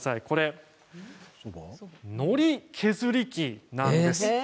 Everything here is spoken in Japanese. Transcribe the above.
これ、のり削り器なんです。